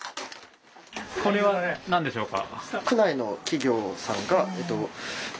これは何でしょうか？